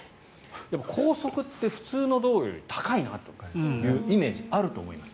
高速って普通の道路より高いなというイメージがあると思います。